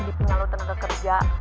di pinggal lo tenaga kerja